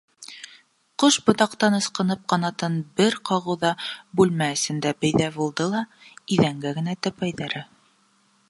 Ҡош ботаҡтан ысҡынып ҡанатын бер ҡағыуҙа бүлмә эсендә пәйҙә булды ла иҙәнгә генә тәпәйҙәре